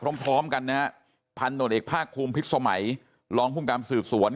พร้อมกันนะพันโนเดเอกภาคคุมพิษสมัยลองภูมิการสืบสวน